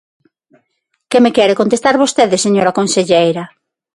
¿Que me quere, contestar vostede, señora conselleira?